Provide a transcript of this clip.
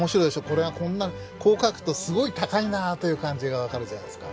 これがこんなこう描くとすごい高いなあという感じが分かるじゃないですか。